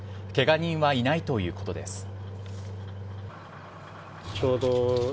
ケガ人はいないということです。